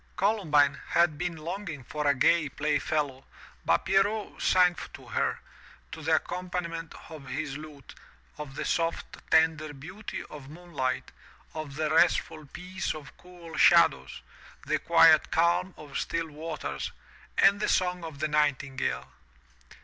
Columbine had been longing for a gay play fellow, but Pierrot sang to her, to the accompaniment of his lute, of the soft, tender beauty of moon light, of the restful peace of cool shadows, the quiet calm of still waters, and the song of the nightingale.